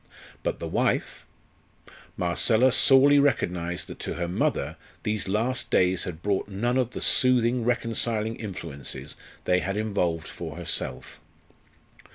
But the wife? Marcella sorely recognised that to her mother these last days had brought none of the soothing, reconciling influences they had involved for herself.